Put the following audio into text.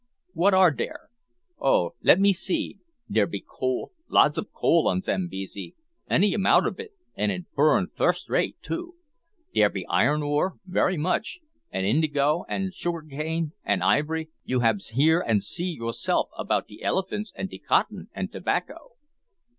"What are dere? oh, let me see: der be coal, lots ob coal on Zambesi, any amount ob it, an' it burn fuss rate, too. Dere be iron ore, very much, an' indigo, an' sugar cane, an ivory; you hab hear an' see yooself about de elephants an' de cottin, an' tobacco.